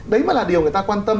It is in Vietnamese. đấy mà là điều người ta quan tâm